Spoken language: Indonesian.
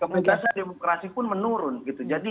kebebasan demokrasi pun menurun gitu jadi